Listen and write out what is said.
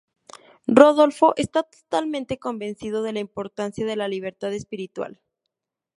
Rodolfo, está totalmente convencido de la importancia de la libertad espiritual.